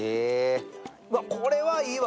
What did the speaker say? うわ、これはいいわ。